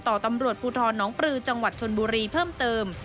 ต่อตำรวจภูทรน้องปลือจังหวัดชนบุรีเพิ่มเติม